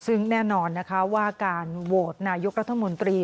ซึ่งแน่นอนนะคะว่าการโหวตนายกรัฐมนตรี